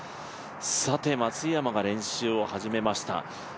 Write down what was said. さて、松山が練習を始めました。